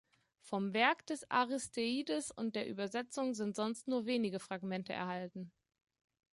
Vom Werk des Aristeides und der Übersetzung sind sonst nur wenige Fragmente erhalten.